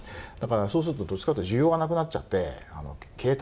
そうするとどっちかっていうと需要がなくなっちゃって「経営大変でしょう」と。